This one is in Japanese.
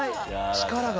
力が。